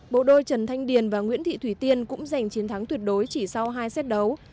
bộ đôi trần thanh điền và nguyễn thị thủy tiên cũng giành chiến thắng tuyệt đối chỉ sau hai xét đấu